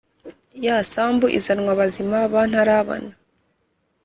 Ya Sambu izanywa abazima ba Ntarabana.